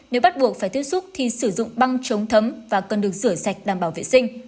nếu bắt buộc phải tiếp xúc thì sử dụng băng chống thấm và cần được rửa sạch đảm bảo vệ sinh